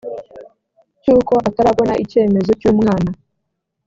cy uko atarabona icyemezo cy umwana